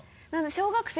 小学生？